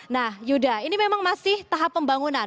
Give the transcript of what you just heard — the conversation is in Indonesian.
nah yuda ini memang masih tahap pembangunan